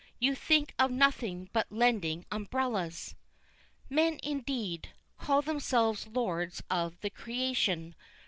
You think of nothing but lending umbrellas. "Men, indeed! call themselves lords of the creation!